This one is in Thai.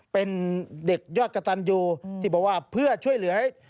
เป็นเด็กยอดกระตันยูที่บอกว่าเพื่อช่วยเหลือ